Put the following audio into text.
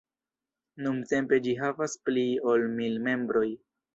Nuntempe ĝi havas pli ol mil membroj.